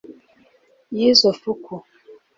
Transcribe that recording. y’izo fuku